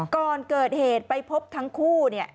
ก่อนเกิดเหตุไปพบทั้งคู่